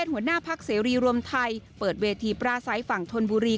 หัวหน้าพักเสรีรวมไทยเปิดเวทีปราศัยฝั่งธนบุรี